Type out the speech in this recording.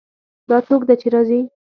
دا څوک ده چې راځي